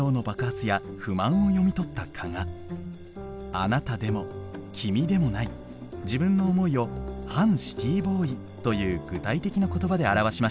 「あなた」でも「きみ」でもない自分の思いを「反シティーボーイ」という具体的な言葉で表しました。